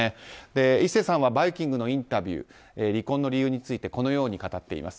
壱成さんは「バイキング」のインタビューで離婚の理由についてこのように語っています。